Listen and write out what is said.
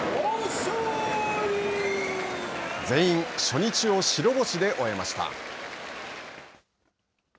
全員初日を白星で終えました。